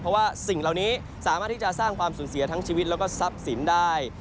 เพราะว่าสิ่งเหล่านี้สามารถที่จะสร้างความสูญเสียทั้งชีวิตแล้วก็ทรัพย์สินได้